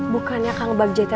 bukannya kang bagja